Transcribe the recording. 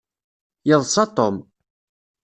Yeḍsa Tom.